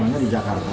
apa namanya di jakarta